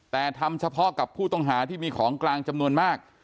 แต่ทำเฉพาะกับผู้ต้องหาที่มีของกลางจำนวนมาก